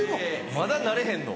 まだ慣れへんの？